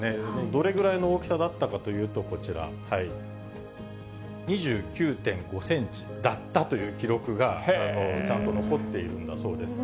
どれぐらいの大きさだったかというと、こちら、２９．５センチだったという記録が、ちゃんと残っているんだそうです。